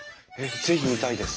是非見たいです。